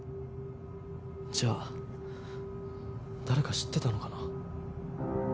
じゃあ誰か知ってたのかな。